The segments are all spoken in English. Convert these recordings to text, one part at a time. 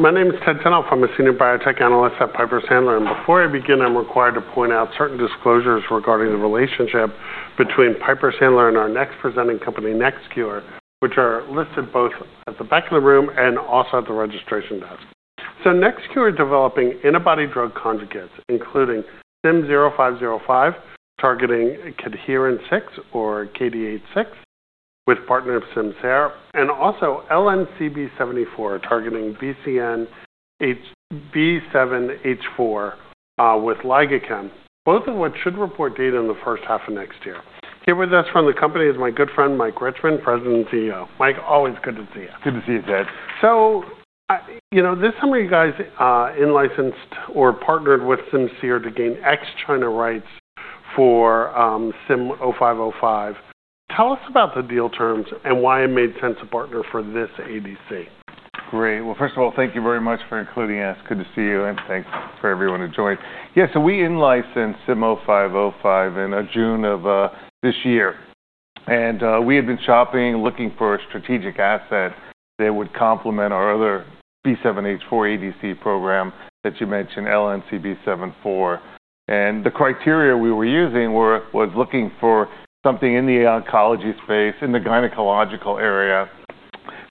My name is Ted Tenthoff. I'm a Senior Biotech Analyst at Piper Sandler. Before I begin, I'm required to point out certain disclosures regarding the relationship between Piper Sandler and our next presenting company, NextCure, which are listed both at the back of the room and also at the registration desk. NextCure is developing antibody-drug conjugates, including SIM0505, targeting cadherin-6 or CDH6, with partner Simcere, and also LNCB74, targeting B7-H4 with LigaChem, both of which should report data in the first half of next year. Here with us from the company is my good friend, Mike Richman, President and CEO. Mike, always good to see you. Good to see you, Ted. This summer, you guys in-licensed or partnered with Simcere to gain ex-China rights for SIM0505. Tell us about the deal terms and why it made sense to partner for this ADC. Great. Well, first of all, thank you very much for including us. Good to see you. And thanks for everyone who joined. Yeah, so we in-licensed SIM0505 in June of this year. And we had been shopping, looking for a strategic asset that would complement our other B7-H4 ADC program that you mentioned, LNCB74. And the criteria we were using was looking for something in the oncology space, in the gynecological area,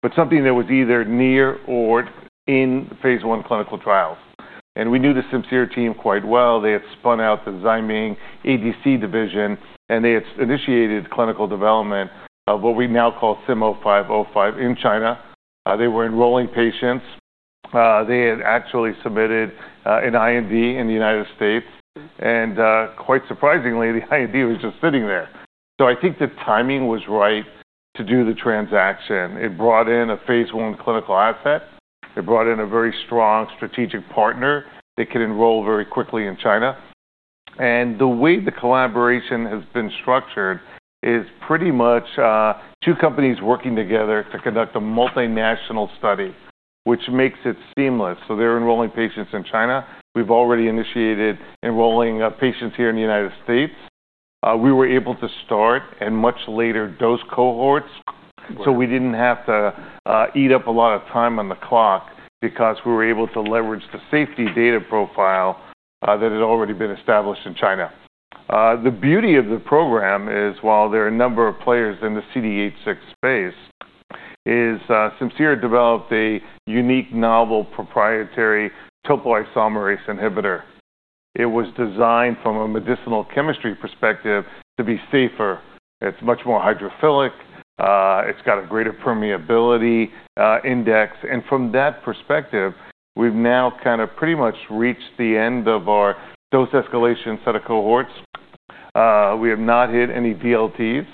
but something that was either near or in phase I clinical trials. And we knew the Simcere team quite well. They had spun out the Zaiming ADC division, and they had initiated clinical development of what we now call SIM0505 in China. They were enrolling patients. They had actually submitted an IND in the United States. And quite surprisingly, the IND was just sitting there. So I think the timing was right to do the transaction. It brought in a phase I clinical asset. It brought in a very strong strategic partner that could enroll very quickly in China. And the way the collaboration has been structured is pretty much two companies working together to conduct a multinational study, which makes it seamless. So they're enrolling patients in China. We've already initiated enrolling patients here in the United States. We were able to start and much later dose cohorts. So we didn't have to eat up a lot of time on the clock because we were able to leverage the safety data profile that had already been established in China. The beauty of the program is, while there are a number of players in the CDH6 space, is Simcere developed a unique, novel proprietary topoisomerase inhibitor. It was designed from a medicinal chemistry perspective to be safer. It's much more hydrophilic. It's got a greater permeability index. And from that perspective, we've now kind of pretty much reached the end of our dose escalation set of cohorts. We have not hit any DLTs.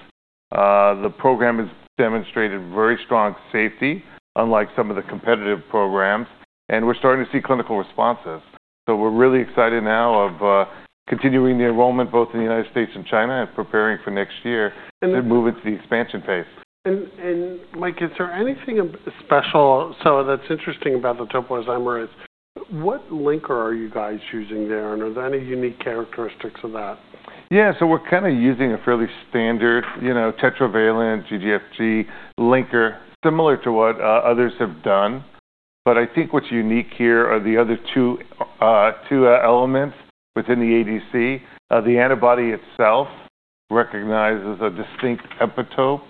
The program has demonstrated very strong safety, unlike some of the competitive programs. And we're starting to see clinical responses. So we're really excited now of continuing the enrollment both in the United States and China and preparing for next year to move into the expansion phase. And Mike, is there anything special? So that's interesting about the topoisomerase. What linker are you guys using there? And are there any unique characteristics of that? Yeah, so we're kind of using a fairly standard tetravalent GGFG linker, similar to what others have done. But I think what's unique here are the other two elements within the ADC. The antibody itself recognizes a distinct epitope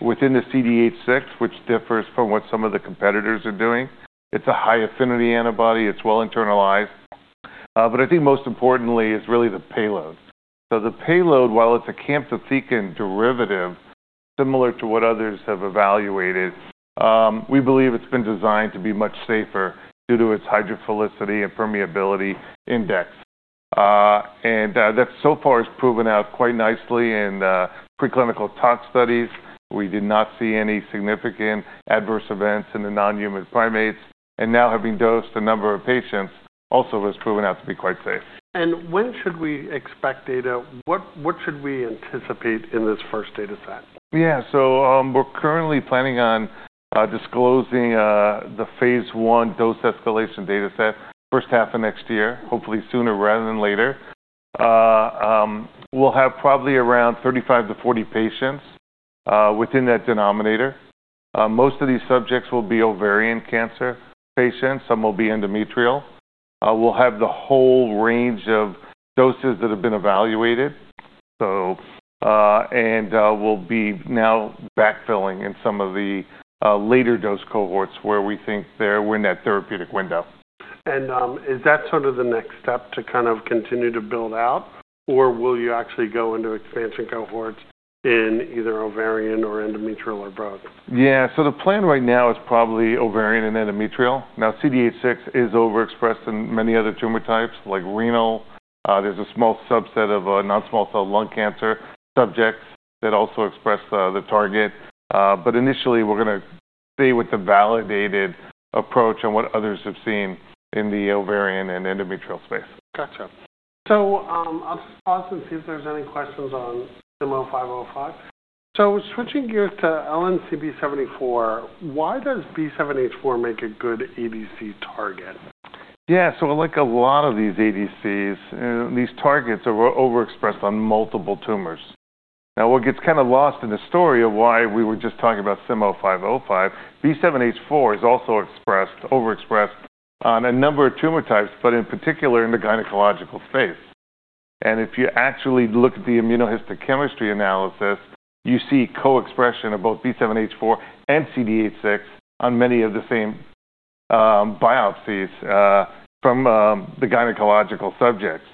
within the CDH6, which differs from what some of the competitors are doing. It's a high affinity antibody. It's well internalized. But I think most importantly is really the payload. So the payload, while it's a camptothecin derivative, similar to what others have evaluated, we believe it's been designed to be much safer due to its hydrophilicity and permeability index. And that so far has proven out quite nicely in preclinical tox studies. We did not see any significant adverse events in the non-human primates. And now having dosed a number of patients, also has proven out to be quite safe. When should we expect data? What should we anticipate in this first data set? Yeah, so we're currently planning on disclosing the phase I dose escalation data set first half of next year, hopefully sooner rather than later. We'll have probably around 35-40 patients within that denominator. Most of these subjects will be ovarian cancer patients. Some will be endometrial. We'll have the whole range of doses that have been evaluated, and we'll be now backfilling in some of the later dose cohorts where we think they're within that therapeutic window. And is that sort of the next step to kind of continue to build out? Or will you actually go into expansion cohorts in either ovarian or endometrial or both? Yeah, so the plan right now is probably ovarian and endometrial. Now, CDH6 is overexpressed in many other tumor types, like renal. There's a small subset of non-small cell lung cancer subjects that also express the target. But initially, we're going to stay with the validated approach and what others have seen in the ovarian and endometrial space. Gotcha. So I'll just pause and see if there's any questions on SIM0505. So switching gears to LNCB74, why does B7-H4 make a good ADC target? Yeah, so like a lot of these ADCs, these targets are overexpressed on multiple tumors. Now, what gets kind of lost in the story of why we were just talking about SIM0505, B7-H4 is also overexpressed on a number of tumor types, but in particular in the gynecological space. And if you actually look at the immunohistochemistry analysis, you see co-expression of both B7-H4 and CDH6 on many of the same biopsies from the gynecological subjects.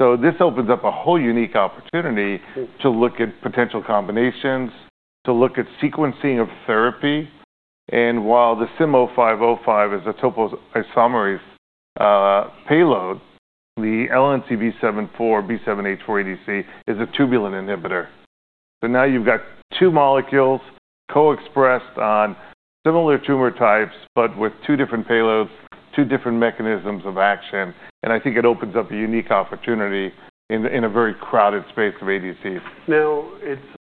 So this opens up a whole unique opportunity to look at potential combinations, to look at sequencing of therapy. And while the SIM0505 is a topoisomerase payload, the LNCB74, B7-H4 ADC is a tubulin inhibitor. So now you've got two molecules co-expressed on similar tumor types, but with two different payloads, two different mechanisms of action. And I think it opens up a unique opportunity in a very crowded space of ADCs. Now,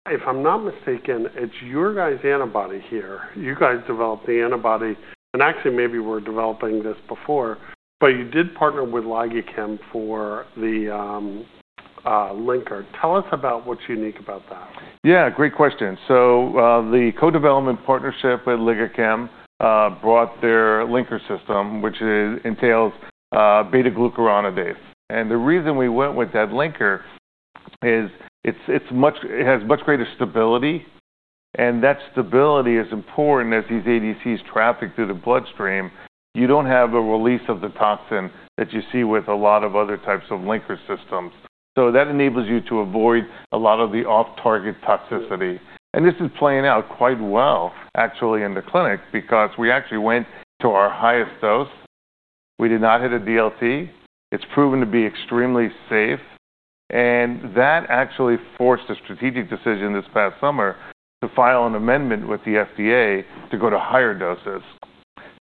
if I'm not mistaken, it's your guys' antibody here. You guys developed the antibody. And actually, maybe we're developing this before. But you did partner with LigaChem for the linker. Tell us about what's unique about that. Yeah, great question. So the co-development partnership with LigaChem brought their linker system, which entails beta-glucuronidase. And the reason we went with that linker is it has much greater stability. And that stability is important as these ADCs traffic through the bloodstream. You don't have a release of the toxin that you see with a lot of other types of linker systems. So that enables you to avoid a lot of the off-target toxicity. And this is playing out quite well, actually, in the clinic because we actually went to our highest dose. We did not hit a DLT. It's proven to be extremely safe. And that actually forced a strategic decision this past summer to file an amendment with the FDA to go to higher doses.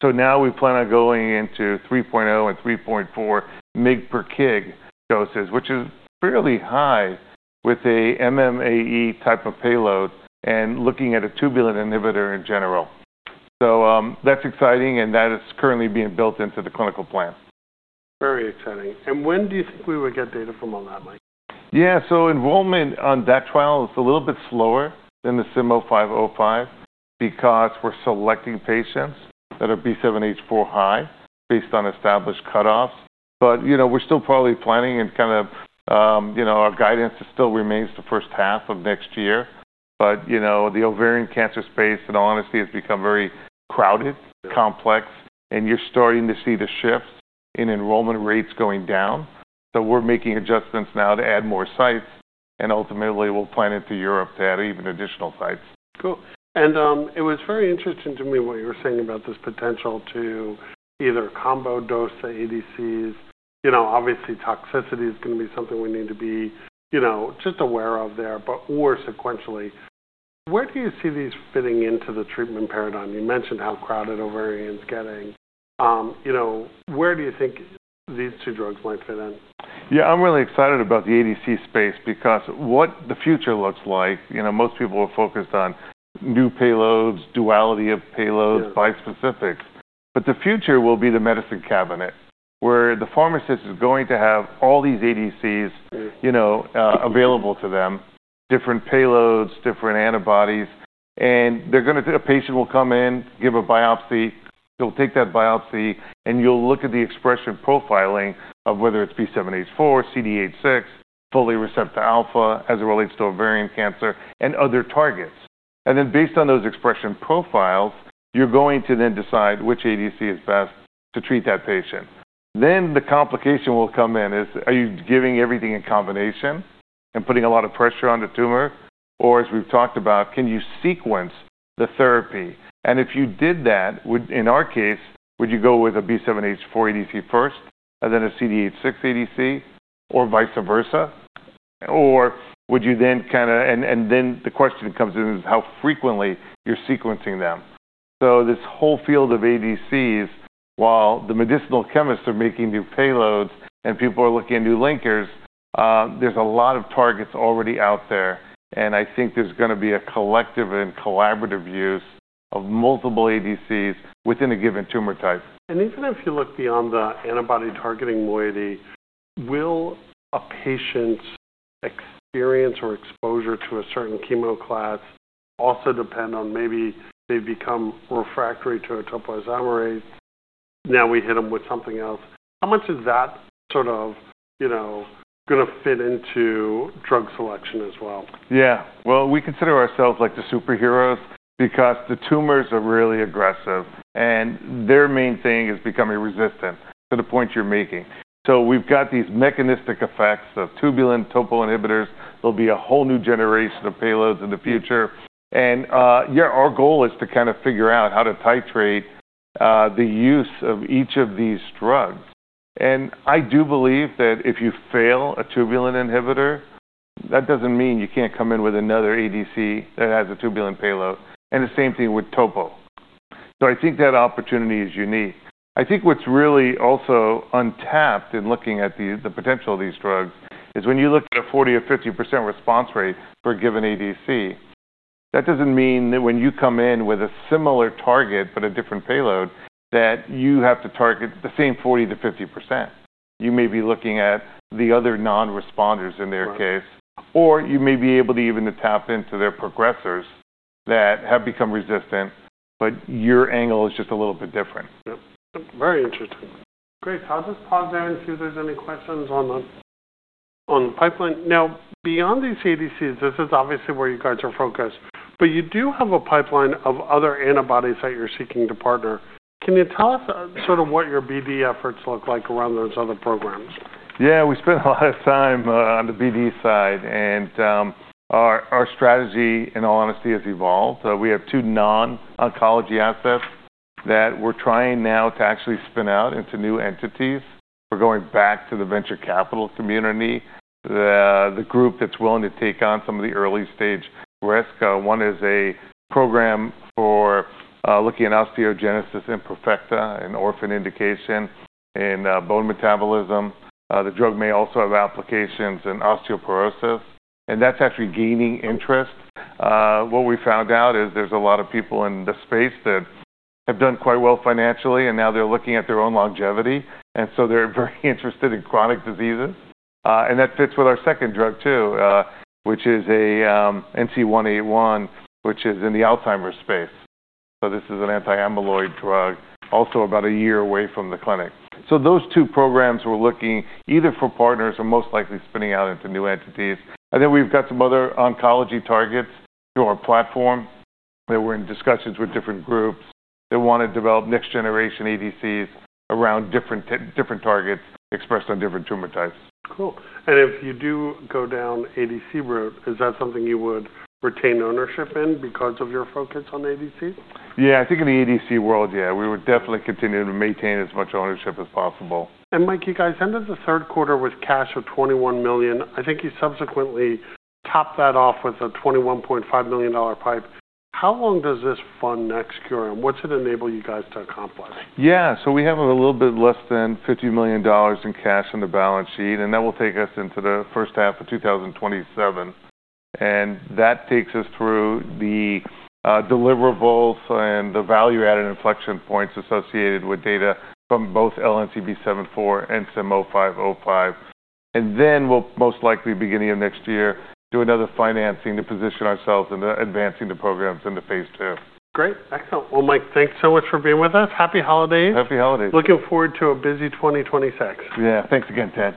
So now we plan on going into 3.0 and 3.4 mg per kg doses, which is fairly high with an MMAE type of payload and looking at a tubulin inhibitor in general. So that's exciting. And that is currently being built into the clinical plan. Very exciting, and when do you think we would get data from on that, Mike? Yeah, so enrollment on that trial is a little bit slower than the SIM0505 because we're selecting patients that are B7-H4 high based on established cutoffs. But we're still probably planning and kind of our guidance still remains the first half of next year. But the ovarian cancer space, in all honesty, has become very crowded, complex. And you're starting to see the shift in enrollment rates going down. So we're making adjustments now to add more sites. And ultimately, we'll plan into Europe to add even additional sites. Cool. And it was very interesting to me what you were saying about this potential to either combo dose the ADCs. Obviously, toxicity is going to be something we need to be just aware of there, but more sequentially. Where do you see these fitting into the treatment paradigm? You mentioned how crowded ovarian is getting. Where do you think these two drugs might fit in? Yeah, I'm really excited about the ADC space because what the future looks like, most people are focused on new payloads, duality of payloads, bispecifics, but the future will be the medicine cabinet where the pharmacist is going to have all these ADCs available to them, different payloads, different antibodies, and a patient will come in, give a biopsy. You'll take that biopsy, and you'll look at the expression profiling of whether it's B7-H4, CDH6, folate receptor alpha as it relates to ovarian cancer, and other targets, and then based on those expression profiles, you're going to then decide which ADC is best to treat that patient, then the complication will come in is, are you giving everything in combination and putting a lot of pressure on the tumor? Or as we've talked about, can you sequence the therapy? And if you did that, in our case, would you go with a B7-H4 ADC first, and then a CDH6 ADC, or vice versa? Or would you then kind of, and then the question comes in is how frequently you're sequencing them. So this whole field of ADCs, while the medicinal chemists are making new payloads and people are looking at new linkers, there's a lot of targets already out there. And I think there's going to be a collective and collaborative use of multiple ADCs within a given tumor type. Even if you look beyond the antibody targeting moiety, will a patient's experience or exposure to a certain chemo class also depend on maybe they've become refractory to a topoisomerase? Now we hit them with something else. How much is that sort of going to fit into drug selection as well? Yeah. Well, we consider ourselves like the superheroes because the tumors are really aggressive. And their main thing is becoming resistant to the point you're making. So we've got these mechanistic effects of tubulin and Topo inhibitors. There'll be a whole new generation of payloads in the future. And our goal is to kind of figure out how to titrate the use of each of these drugs. And I do believe that if you fail a tubulin inhibitor, that doesn't mean you can't come in with another ADC that has a tubulin payload. And the same thing with Topo. So I think that opportunity is unique. I think what's really also untapped in looking at the potential of these drugs is when you look at a 40% or 50% response rate for a given ADC, that doesn't mean that when you come in with a similar target, but a different payload, that you have to target the same 40%-50%. You may be looking at the other non-responders in their case. Or you may be able to even tap into their progressors that have become resistant, but your angle is just a little bit different. Very interesting. Great. I'll just pause there and see if there's any questions on the pipeline. Now, beyond these ADCs, this is obviously where you guys are focused. But you do have a pipeline of other antibodies that you're seeking to partner. Can you tell us sort of what your BD efforts look like around those other programs? Yeah, we spent a lot of time on the BD side, and our strategy, in all honesty, has evolved. We have two non-oncology assets that we're trying now to actually spin out into new entities. We're going back to the venture capital community, the group that's willing to take on some of the early stage risk. One is a program for looking at osteogenesis imperfecta, an orphan indication in bone metabolism. The drug may also have applications in osteoporosis, and that's actually gaining interest. What we found out is there's a lot of people in the space that have done quite well financially, and now they're looking at their own longevity, and so they're very interested in chronic diseases, and that fits with our second drug too, which is NC181, which is in the Alzheimer's space, so this is an anti-amyloid drug, also about a year away from the clinic. So those two programs we're looking either for partners or most likely spinning out into new entities. I think we've got some other oncology targets through our platform that we're in discussions with different groups that want to develop next generation ADCs around different targets expressed on different tumor types. Cool. And if you do go down ADC route, is that something you would retain ownership in because of your focus on ADCs? Yeah, I think in the ADC world, yeah, we would definitely continue to maintain as much ownership as possible. And Mike, you guys ended the third quarter with cash of $21 million. I think you subsequently topped that off with a $21.5 million PIPE. How long does this fund NextCure? And what's it enable you guys to accomplish? Yeah, so we have a little bit less than $50 million in cash on the balance sheet. And that will take us into the first half of 2027. And that takes us through the deliverables and the value-added inflection points associated with data from both LNCB74 and SIM0505. And then we'll most likely, beginning of next year, do another financing to position ourselves into advancing the programs into phase II. Great. Excellent. Mike, thanks so much for being with us. Happy holidays. Happy holidays. Looking forward to a busy 2026. Yeah, thanks again, Ted.